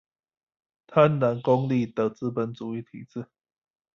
貪婪功利的資本主義體制